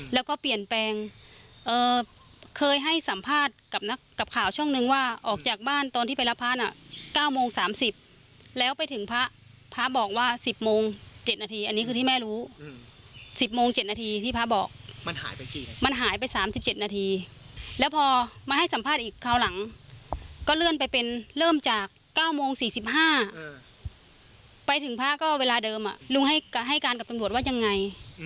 แล้วก็เปลี่ยนแปลงเคยให้สัมภาษณ์กับนักข่าวช่องนึงว่าออกจากบ้านตอนที่ไปรับพระน่ะ๙โมง๓๐แล้วไปถึงพระพระบอกว่า๑๐โมง๗นาทีอันนี้คือที่แม่รู้๑๐โมง๗นาทีที่พระบอกมันหายไปกี่มันหายไป๓๗นาทีแล้วพอมาให้สัมภาษณ์อีกคราวหลังก็เลื่อนไปเป็นเริ่มจาก๙โมง๔๕ไปถึงพระก็เวลาเดิมลุงให้การกับตำรวจว่ายังไง